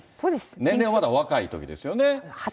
年齢がまだお若いときですよね。